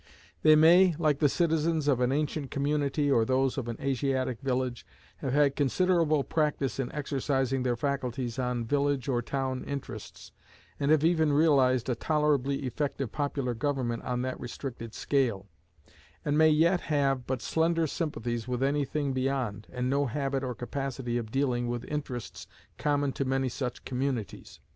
They may, like the citizens of an ancient community, or those of an Asiatic village, have had considerable practice in exercising their faculties on village or town interests, and have even realized a tolerably effective popular government on that restricted scale, and may yet have but slender sympathies with any thing beyond, and no habit or capacity of dealing with interests common to many such communities.